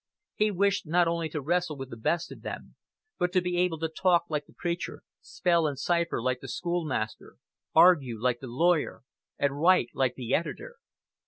He wished not only to wrestle with the best of them, but to be able to talk like the preacher, spell and cipher like the school master, argue like the lawyer, and write like the editor.